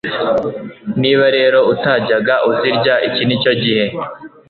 Niba rero utajyaga uzirya, iki ni cyo gihe.